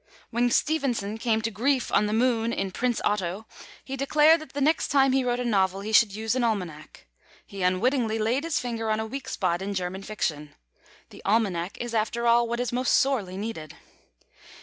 When Stevenson came to grief on the Moon in Prince Otto, he declared that the next time he wrote a novel, he should use an almanac. He unwittingly laid his finger on a weak spot in German fiction. The almanac is, after all, what is most sorely needed.